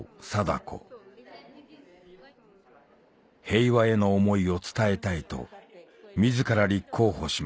禎子平和への思いを伝えたいと自ら立候補しました